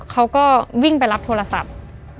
เขาก็วิ่งไปรับโทรศัพท์